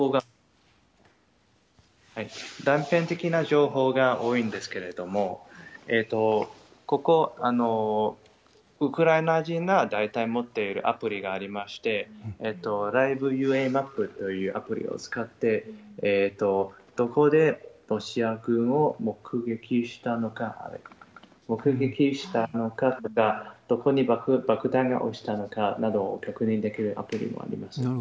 結構断片的な情報が多いんですけれども、ここ、ウクライナ人が大体持っているアプリがありまして、ライブＵＡマップというアプリを使って、どこでロシア軍を目撃したのか、どこに爆弾が落ちたのかなどを確認できるアプリがあります。